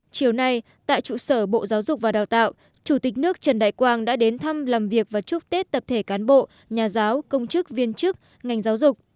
chiều nay tại trụ sở bộ giáo dục và đào tạo chủ tịch nước trần đại quang đã đến thăm làm việc và chúc tết tập thể cán bộ nhà giáo công chức viên chức ngành giáo dục